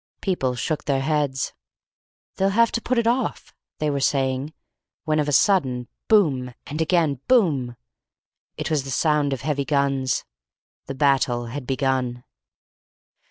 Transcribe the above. People shook their heads. "They'll have to put it off," they were saying, when of a sudden Boom! And, again, Boom! It was the sound of heavy guns. The battle had begun!